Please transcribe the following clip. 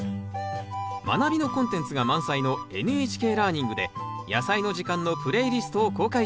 まなびのコンテンツが満載の「ＮＨＫラーニング」で「やさいの時間」のプレイリストを公開中。